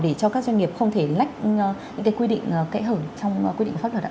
để cho các doanh nghiệp không thể lách những quy định kệ hở trong quy định pháp luật